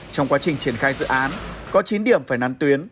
trong quá trình triển khai dự án có chín điểm phải năn tuyến